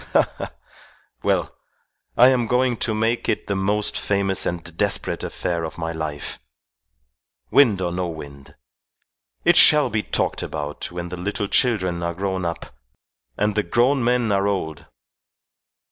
Ha! ha! Well, I am going to make it the most famous and desperate affair of my life wind or no wind. It shall be talked about when the little children are grown up and the grown men are old.